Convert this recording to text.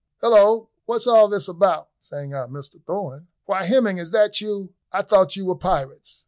"Hillo! what's all this about?" sang out Mr Thorn. "Why, Hemming, is that you? I thought you were pirates."